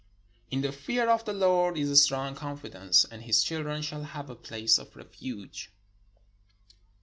In the fear of the Lord is strong confidence: and his children shall have a place of refuge.